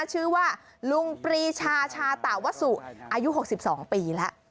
ชื่อว่าลุงปรีชาชาตาวสุอายุ๖๒ปีแล้ว